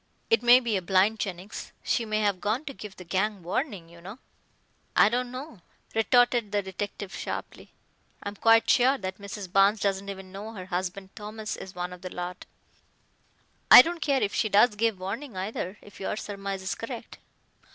"It may be a blind, Jennings. She may have gone to give the gang warning, you know." "I don't know," retorted the detective sharply. "I am quite sure that Mrs. Barnes doesn't even know her husband Thomas is one of the lot. I don't care if she does give warning either, if your surmise is correct.